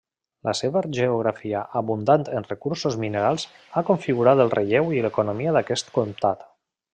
La seva geografia abundant en recursos minerals ha configurat el relleu i l'economia d'aquest comtat.